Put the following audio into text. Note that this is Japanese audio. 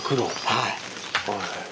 はい。